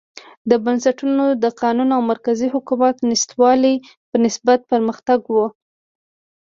دا بنسټونه د قانون او مرکزي حکومت نشتوالي په نسبت پرمختګ و.